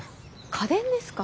家電ですか。